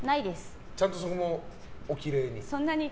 ちゃんとそこもおきれいに？